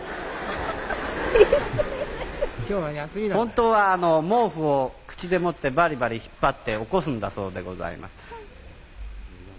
本当は毛布を口で持ってバリバリ引っ張って起こすんだそうでございます。